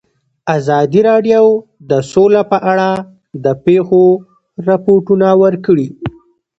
ازادي راډیو د سوله په اړه د پېښو رپوټونه ورکړي.